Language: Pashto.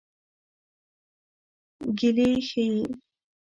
ګیلې ښيي.